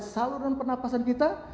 saluran pernafasan kita